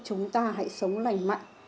chúng ta hãy sống lành mạnh